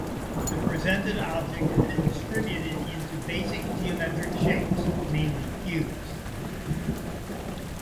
The presented object has been distributed into basic geometric shapes (mainly cubes).